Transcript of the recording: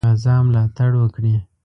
غزا ملاتړ وکړي.